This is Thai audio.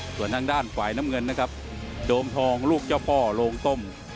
ส่วนทางด้านฝ่ายน้ำเงินนะครับโดมทองลูกเจ้าพ่อโรงต้ม